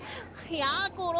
やころ。